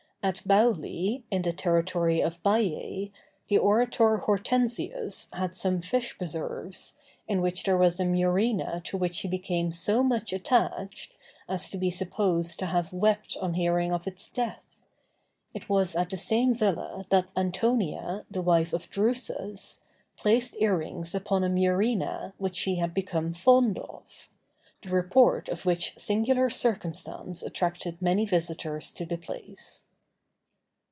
At Bauli, in the territory of Baiæ, the orator Hortensius had some fish preserves, in which there was a murena to which he became so much attached, as to be supposed to have wept on hearing of its death. It was at the same villa that Antonia, the wife of Drusus, placed earrings upon a murena which she had become fond of; the report of which singular circumstance attracted many visitors to the place.